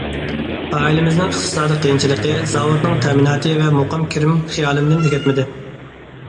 ئائىلىمىزنىڭ ئىقتىسادىي قىيىنچىلىقى، زاۋۇتنىڭ تەمىناتى ۋە مۇقىم كىرىم خىيالىمدىن كەتمىدى.